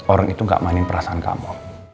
orang itu gak mainin perasaan kamu